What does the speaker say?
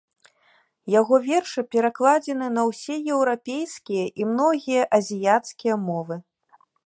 Яго вершы перакладзены на ўсе еўрапейскія і многія азіяцкія мовы.